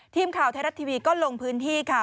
ทีมข่าวไทยรัฐทีวีก็ลงพื้นที่ค่ะ